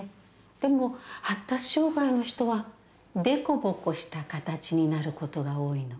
でも発達障害の人は凸凹した形になることが多いの。